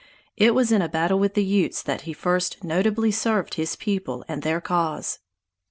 It was in a battle with the Utes that he first notably served his people and their cause.